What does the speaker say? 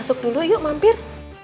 masuk dulu yuk mampir